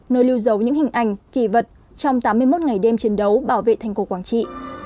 nơi lưu giấu những hình ảnh kỳ vật trong tám mươi một ngày đêm chiến đấu bảo vệ thành cổ quảng trị